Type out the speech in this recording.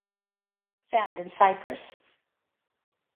Found in Cyprus.